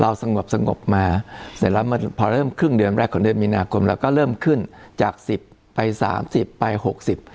เราสงบมาเสร็จแล้วมันก็ขึ้นเราก็เริ่มขึ้นจาก๑๐ไปสามสิบไปหกสิบ